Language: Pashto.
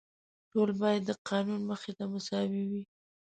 ټول باید د قانون مخې ته مساوي وي.